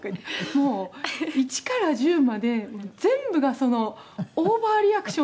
もう一から十まで全部がオーバーリアクションというか」